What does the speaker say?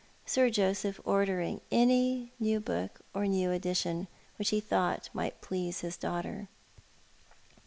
Sir Joseph ordering any new book or new edition which he thought might please his daughter.